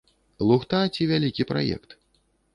Лухта ці вялікі праект?